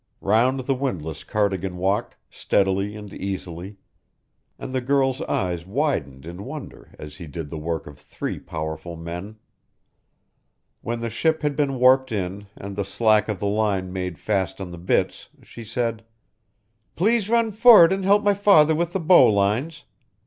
Round the windlass Cardigan walked, steadily and easily, and the girl's eyes widened in wonder as he did the work of three powerful men. When the ship had been warped in and the slack of the line made fast on the bitts, she said: "Please run for'd and help my father with the bow lines.